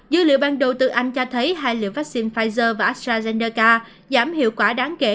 dữ liệu ban đầu từ anh cho thấy hai liệu vaccine pfizer và astrazeneca giảm hiệu quả đáng kể